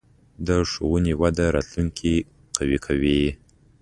د ښوونې وده راتلونکې قوي کوي.